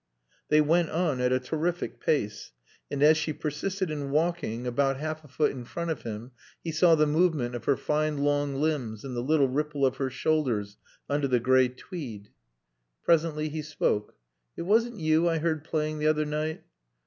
They went on at a terrific pace. And as she persisted in walking about half a foot in front of him he saw the movement of her fine long limbs and the little ripple of her shoulders under the gray tweed. Presently he spoke. "It wasn't you I heard playing the other night?"